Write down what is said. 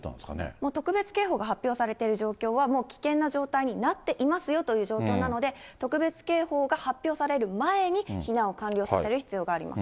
もう特別警報が発表されている状況はもう危険な状態になっていますよという状況なので、特別警報が発表される前に避難を完了させる必要があります。